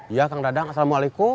iya kang dadang assalamualaikum